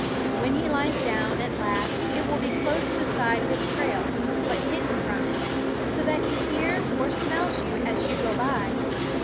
When he lies down, at last, it will be close beside his trail, but hidden from it; so that he hears or smells you as you go by.